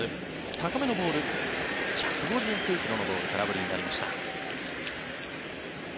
高めのボール１５９ｋｍのボール空振りになりました。